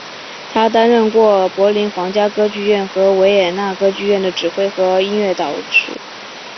他担任过柏林皇家歌剧院和维也纳歌剧院的指挥和音乐指导。